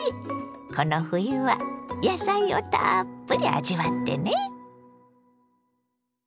この冬は野菜をたっぷり味わってね！